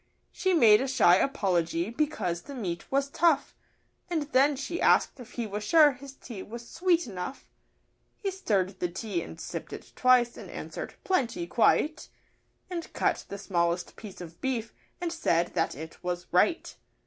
She made a shy apology because the meat was tough, And then she asked if he was sure his tea was sweet enough; He stirred the tea and sipped it twice, and answer'd 'plenty, quite;' And cut the smallest piece of beef and said that it was 'right.